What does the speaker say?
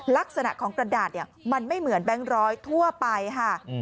ลักษณะของกระดาษมันไม่เหมือนแบงค์ร้อยทั่วไปค่ะ